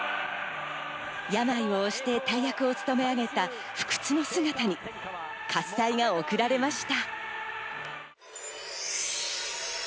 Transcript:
病をおして大役を務め上げた不屈の姿に喝采が送られました。